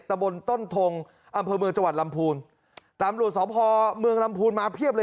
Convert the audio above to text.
ตะบนต้นทงอำพลเมืองจังหวัดลำพูนตามบริโภคสอบภอมืองลำพูนมาเพียบเลย